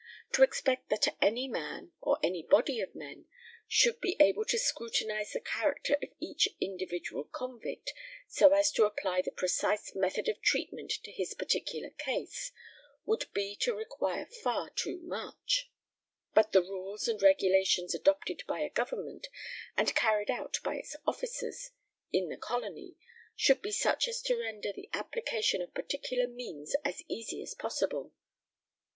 To expect that any man, or any body of men, should be able to scrutinize the character of each individual convict, so as to apply the precise method of treatment to his particular case, would be to require far too much; but the rules and regulations adopted by a government, and carried out by its officers in the colony, should be such as to render the application of particular means as easy as possible.